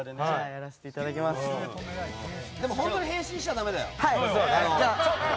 でも、本当に変身しちゃだめだよ。